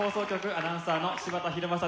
アナウンサーの柴田拡正です。